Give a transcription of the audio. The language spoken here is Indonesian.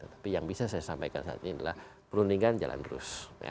tapi yang bisa saya sampaikan saat ini adalah perundingan jalan terus